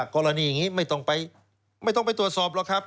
กรณีอย่างนี้ไม่ต้องไปตรวจสอบหรอกครับ